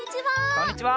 こんにちは。